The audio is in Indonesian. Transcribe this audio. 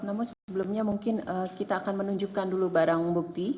namun sebelumnya mungkin kita akan menunjukkan dulu barang bukti